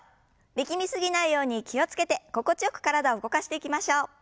力み過ぎないように気を付けて心地よく体を動かしていきましょう。